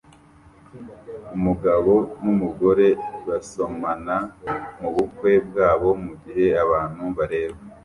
Umugabo numugore basomana mubukwe bwabo mugihe abantu bareba